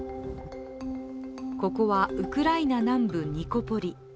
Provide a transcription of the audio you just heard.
ここはウクライナ南部ニコポリ。